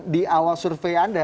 di awal survei anda